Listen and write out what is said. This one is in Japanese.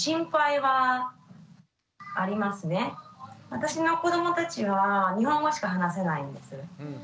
私の子どもたちは日本語しか話せないんです。